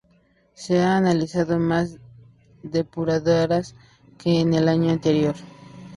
Se han analizado más depuradoras que en el año anterior